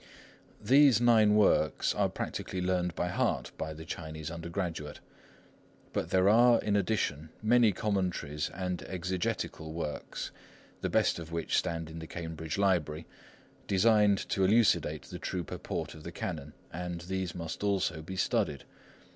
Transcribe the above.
These nine works are practically learned by heart by the Chinese undergraduate. But there are in addition many commentaries and exegetical works—the best of which stand in the Cambridge Library—designed to elucidate the true purport of the Canon; and these must also be studied.